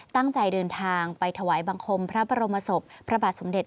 ตั้งใจเดินทางไปถวายบังคมพระบรมศพพระบาทสมเด็จ